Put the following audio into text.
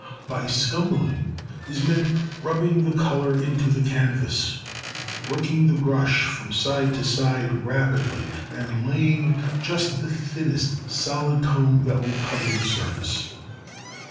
By scumbling is meant rubbing the colour into the canvas, working the brush from side to side rapidly, and laying just the #thinnest solid tone# that will cover the surface.